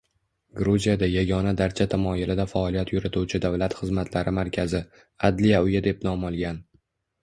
Gruziyada yagona darcha tamoyilida faoliyat yurituvchi davlat xizmatlari markazi “Adliya uyi” deb nom olgan.